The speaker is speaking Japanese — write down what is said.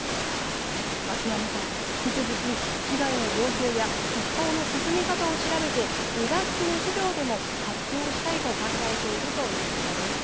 脇山さん、引き続き被害の状況や復興の進み方を調べて２学期の授業でも発表したいと考えているということです。